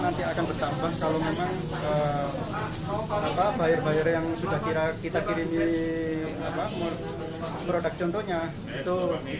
nanti akan bertambah kalau memang apa bayar bayar yang sudah kira kita kirim ini produk contohnya itu